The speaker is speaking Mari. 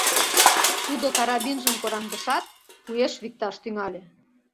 Тудо карабинжым кораҥдышат, уэш викташ тӱҥале.